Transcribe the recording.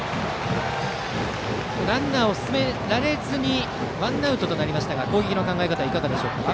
ランナーを進められずにワンアウトになりましたが攻撃の考え方はどうでしょうか。